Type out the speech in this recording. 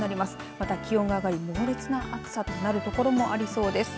また、気温が上がり猛烈な暑さとなるところがありそうです。